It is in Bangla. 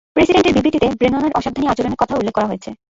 প্রেসিডেন্টের বিবৃতিতে ব্রেননের অসাবধানী আচরণের কথা উল্লেখ করা হয়েছে।